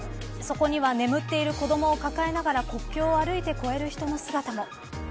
そこには、眠っている子どもを抱えながら国境を歩いて越える人の姿も。